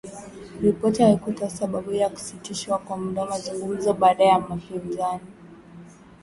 Ripoti haikutoa sababu ya kusitishwa kwa muda mazungumzo baina ya wapinzani.